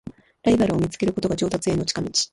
ライバルを見つけることが上達への近道